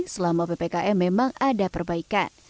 selama ppkm memang ada perbaikan